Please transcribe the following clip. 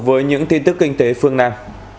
với những tin tức kinh tế phương nam